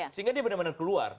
sehingga dia benar benar keluar